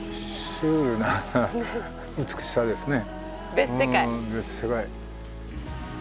別世界。